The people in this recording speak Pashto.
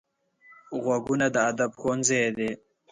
غوږونه د ادب ښوونځی دي